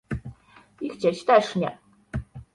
i chcieć też nie.